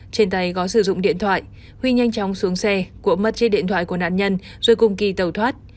trên tay có sử dụng điện thoại huy nhanh chóng xuống xe của mất chiếc điện thoại của nạn nhân rồi cùng kỳ tàu thoát